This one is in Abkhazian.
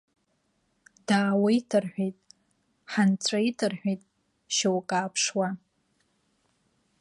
Даауеит, рҳәеит, ҳанҵәеит, рҳәеит, шьоук ааԥшуа.